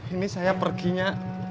ini saya perginya